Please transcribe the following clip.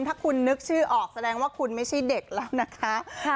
ถ้าคุณนึกชื่อออกแสดงว่าคุณไม่ใช่เด็กแล้วนะคะ